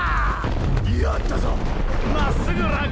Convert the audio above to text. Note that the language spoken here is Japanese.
やったぞッ！